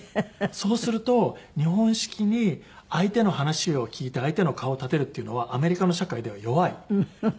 そうすると日本式に相手の話を聞いて相手の顔を立てるっていうのはアメリカの社会では弱いとされて。